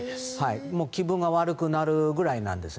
気分が悪くなるぐらいなんです。